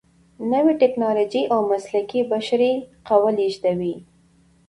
نوې ټیکنالوجې او مسلکي بشري قوه لیږدوي.